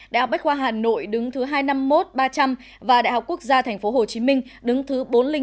đại học bách khoa hà nội đứng thứ hai trăm năm mươi một ba trăm linh và đại học quốc gia tp hcm đứng thứ bốn trăm linh một năm trăm linh